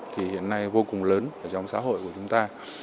thì hiện nay vô cùng lớn ở trong xã hội của chúng ta